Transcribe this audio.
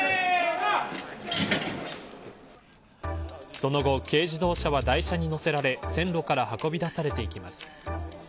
その後、軽自動車は台車に乗せられ線路から運び出されていきます。